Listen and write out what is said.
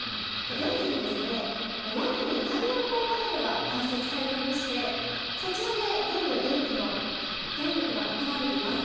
電気も屋根に太陽光パネルが設置されていましてそちらで全部の電力が賄われています。